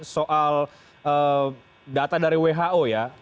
soal data dari who ya